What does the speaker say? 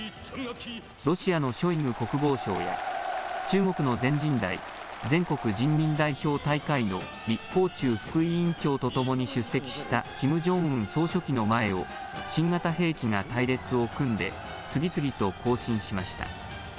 ロシアのショイグ国防相は中国の全人代・全国人民代表大会の李鴻忠副委員長と共に出席したキム・ジョンウン総書記の前を、新型兵器が隊列を組んで、次々と行進しました。